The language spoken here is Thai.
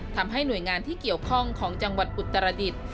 ทำให้หน่วยงานที่เกี่ยวข้องของจังหวัดอุตรดิษฐ์